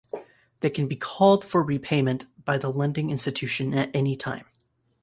They can be "called" for repayment by the lending institution at any time.